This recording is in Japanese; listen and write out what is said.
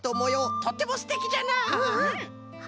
とってもすてきじゃなあ！